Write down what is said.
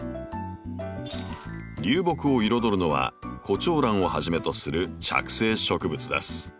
流木を彩るのはコチョウランをはじめとする着生植物です。